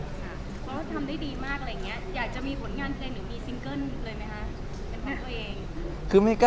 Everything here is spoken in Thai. เพราะว่าทำได้ดีมากอยากจะมีผลงานเพลงหรือมีซิงเกิ้ลเลยไหมครับ